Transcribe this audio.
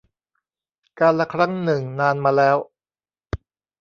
กาลครั้งหนึ่งนานมาแล้ว